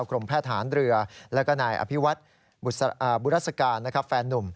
กรมแพทย์ฐานเรือแล้วก็นายอภิวัฒน์บุรัศกาลแฟนนุ่ม